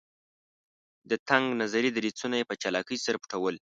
د تنګ نظري دریځونه یې په چالاکۍ سره پټول.